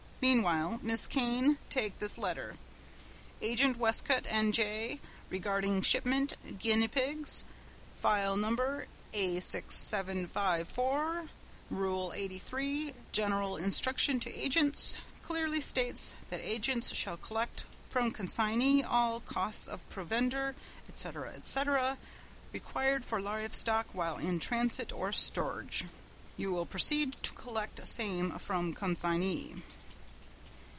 Meanwhile, Miss Kane, take this letter: Agent, Westcote, N. J. Regarding shipment guinea pigs, File No. A6754. Rule 83, General Instruction to Agents, clearly states that agents shall collect from consignee all costs of provender, etc., etc., required for live stock while in transit or storage. You will proceed to collect same from consignee."